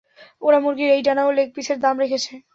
ওরা মুরগীর এই ডানা ও লেগ পিসের দাম রেখেছে।